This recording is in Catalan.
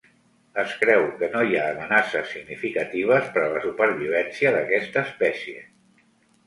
Es creu que no hi ha amenaces significatives per a la supervivència d'aquesta espècie.